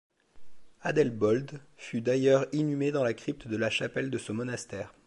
Adelbold fut d'ailleurs inhumé dans la crypte de la chapelle de ce monastère.